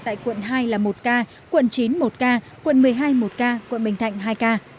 tại quận hai là một ca quận chín một ca quận một mươi hai một ca quận bình thạnh hai ca